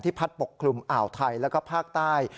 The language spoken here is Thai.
พัดปกคลุมอ่าวไทยแล้วก็ภาคใต้